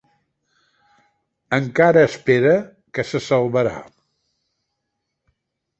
Encara espera que se salvarà.